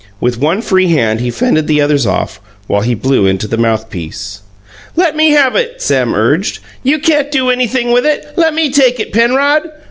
With one free hand he fended the others off while he blew into the mouthpiece. "Let me have it," Sam urged. "You can't do anything with it. Lemme take it, Penrod."